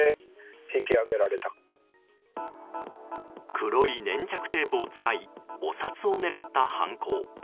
黒い粘着テープを使いお札を狙った犯行。